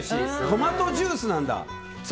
トマトジュースなんだ。